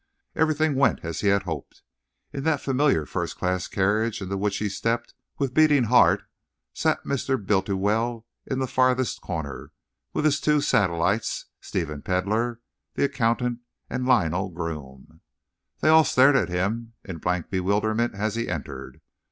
Everything went as he had hoped. In that familiar first class carriage, into which he stepped with beating heart, sat Mr. Bultiwell in the farthest corner, with his two satellites, Stephen Pedlar, the accountant, and Lionel Groome. They all stared at him in blank bewilderment as he entered.